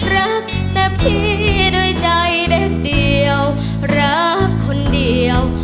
รักแต่พี่ด้วยใจเด็ดเดียวรักคนเดียว